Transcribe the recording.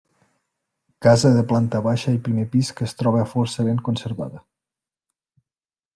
Casa de planta baixa i primer pis que es troba força ben conservada.